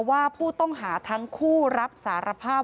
ว่าผู้ต้องหาทั้งคู่รับสารภาพ